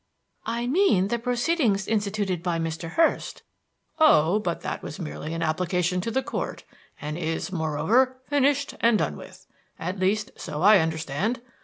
"I mean the proceedings instituted by Mr. Hurst." "Oh, but that was merely an application to the Court, and is, moreover, finished and done with. At least, so I understand.